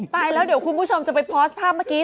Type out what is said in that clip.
ตายแล้วเดี๋ยวคุณผู้ชมจะไปโพสต์ภาพเมื่อกี้